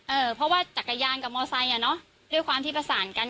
เออเพราะว่าจักรยานกับมอไซค์อ่ะเนอะด้วยความที่ประสานกัน